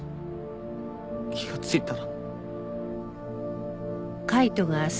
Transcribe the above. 気がついたら。